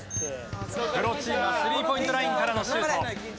プロチームはスリーポイントラインからのシュート。